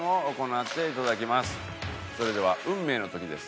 それでは運命の時です。